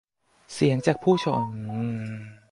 เสียงจากผู้ชมนิทรรศการ : คุณต้องมาเห็นชีวิตประจำวันของเขา